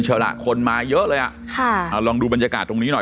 ล่ะคนมาเยอะเลยอ่ะค่ะเอาลองดูบรรยากาศตรงนี้หน่อย